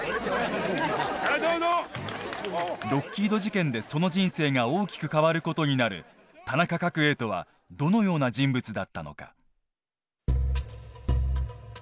ロッキード事件でその人生が大きく変わる事になる田中角栄とはどのような人物だったのか。